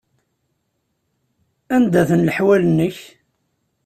Anda-ten leḥwal-nnek?